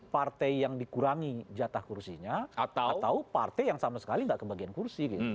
partai yang dikurangi jatah kursinya atau partai yang sama sekali nggak kebagian kursi